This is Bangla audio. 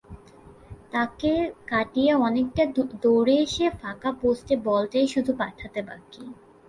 তাঁকে কাটিয়ে অনেকটা দৌড়ে এসে ফাঁকা পোস্টে বলটাই শুধু পাঠাতে বাকি।